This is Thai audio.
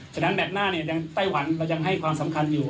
ฉะนั้นแบบหน้าใต้หวันเรายังให้ความสำคัญอยู่